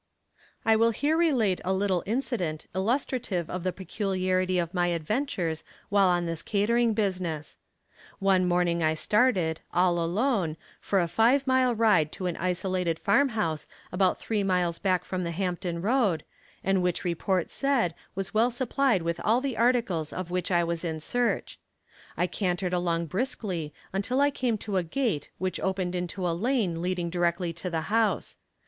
I will here relate a little incident illustrative of the peculiarity of my adventures while on this catering business: One morning I started, all alone, for a five mile ride to an isolated farm house about three miles back from the Hampton road, and which report said was well supplied with all the articles of which I was in search. I cantered along briskly until I came to a gate which opened into a lane leading directly to the house.